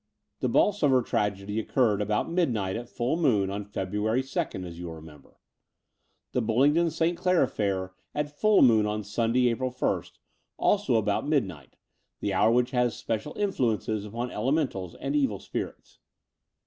The Bolsoveu tragedy occtured about midnight at full moon on February 2nd, you will remember. The Bullingdon St. Clair affair at full moon on Stmday , April 1st, also about midnight, the hour which has special influences upon elementals and evil spirits.